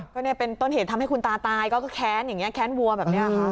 ก็เนี่ยเป็นต้นเหตุทำให้คุณตาตายก็แค้นอย่างนี้แค้นวัวแบบนี้ค่ะ